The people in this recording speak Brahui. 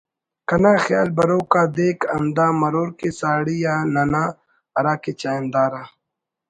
کنا خیال بروک آ دیک ہندا مرور کہ ساڑی آ ننا ہرا کہ چاہندار آ